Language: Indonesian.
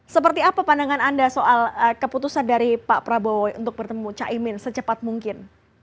seperti apa pandangan anda soal keputusan dari pak prabowo untuk bertemu caimin secepat mungkin